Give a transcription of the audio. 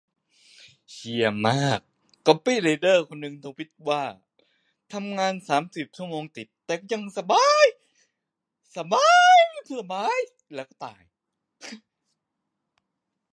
เชี่ยมาก ก๊อปปี้ไรเตอร์คนนึงทวีตว่า 'ทำงานสามสิบชั่วโมงติด แต่ยังสบ๊าย !' แล้วก็ตายเลย